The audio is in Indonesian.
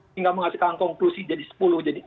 hingga mengasihkan konklusi jadi sepuluh jadi enam